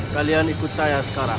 kalian ikut saya sekarang